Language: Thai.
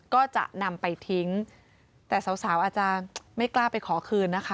ก็จะนำไปทิ้งแต่สาวสาวอาจจะไม่กล้าไปขอคืนนะคะ